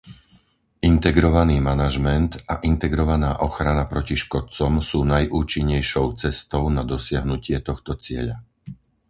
Integrovaný manažment a integrovaná ochrana proti škodcom sú najúčinnejšou cestou na dosiahnutie tohto cieľa.